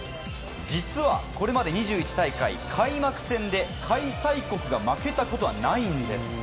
実は、これまで２１大会開幕戦で開催国が負けたことはないんです。